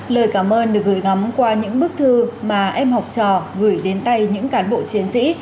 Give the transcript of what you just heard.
lời cảm ơn được gửi gắm qua những bức thư mà em học trò gửi đến tay những cán bộ chiến sĩ